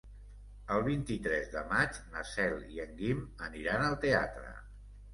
El vint-i-tres de maig na Cel i en Guim aniran al teatre.